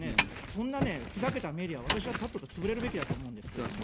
そんなね、ふざけたメディアは、私はとっとと潰れるべきだと思うんですけれども。